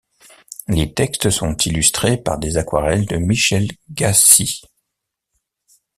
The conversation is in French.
Les textes sont illustrés par des aquarelles de Michel Gassies.